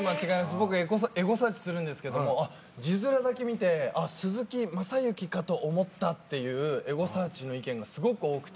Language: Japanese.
僕、エゴサーチするんですけど字面だけ見て鈴木雅之かと思ったというエゴサーチの意見がすごく多くて。